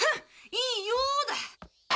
いいよだ。